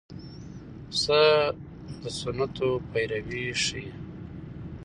پسه د سنتو پیروي ښيي.